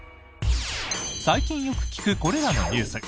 最近よく聞くこれらのニュース